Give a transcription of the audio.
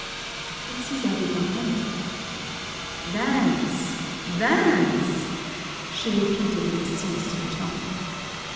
But Sisa did not move. "Dance, dance!" she repeated in a sinister tone.